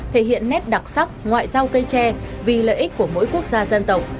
thể hiện nét đặc sắc ngoại giao cây tre vì lợi ích của mỗi quốc gia dân tộc